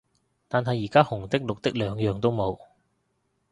但係而家紅的綠的兩樣都冇